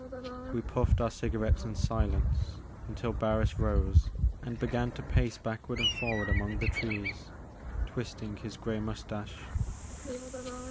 We puffed our cigarettes in silence until Barris rose, and began to pace backward and forward among the trees, twisting his grey moustache.